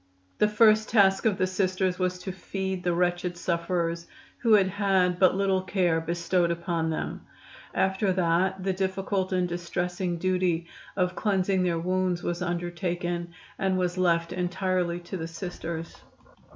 The first task of the Sisters was to feed the wretched sufferers, who had had but little care bestowed upon them. After that the difficult and distressing duty of cleansing their wounds was undertaken and was left entirely to the Sisters.